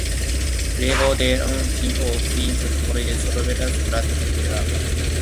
Luego de un tiempo fichó por el Slovan Bratislava.